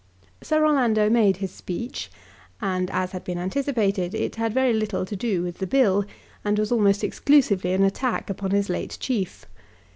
Sir Orlando made his speech, and, as had been anticipated, it had very little to do with the Bill, and was almost exclusively an attack upon his late chief.